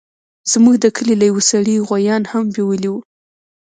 زموږ د کلي له يوه سړي يې غويان هم بيولي وو.